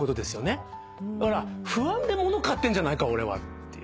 だから不安で物買ってんじゃないか俺はって。